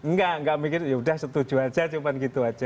gak gak mikir yaudah setuju aja cuman gitu aja